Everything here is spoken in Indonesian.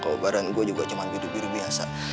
keobaran gue juga cuma biru biru biasa